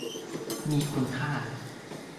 มีคุณค่า